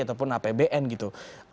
ataupun apbn gitu